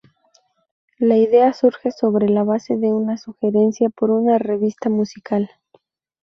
La idea surge sobre la base de una sugerencia por una revista musical.